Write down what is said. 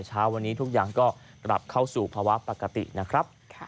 เช้าวันนี้ทุกอย่างก็กลับเข้าสู่ภาวะปกตินะครับ